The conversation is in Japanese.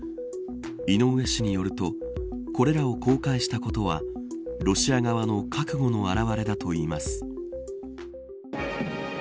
井上氏によるとこれらを公開したことはロシア側の覚悟の表れだといいます。